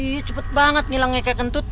iya cepet banget ngilangnya kayak kentut